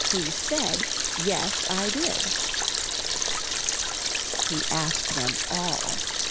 He said 'Yes, I did.'" He asked them all.